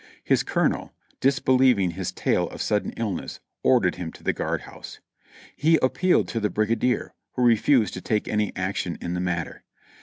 His colonel, dis believing his tale of sudden illness, ordered him to the guard house. He appealed to the brigadier, who refused to take any ac tion in the matter.